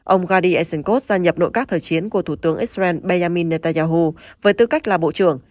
ông gadi elson gia nhập nội các thời chiến của thủ tướng israel benjamin netanyahu với tư cách là bộ trưởng